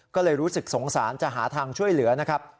ก็เลยรู้สึกสงสารจะหาทางช่วยเหลือนะครับ